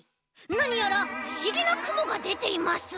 なにやらふしぎなくもがでています。